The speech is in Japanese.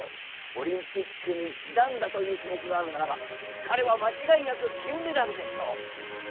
オリンピックにじだんだという種目があるならば彼は間違いなく金メダルでしょう。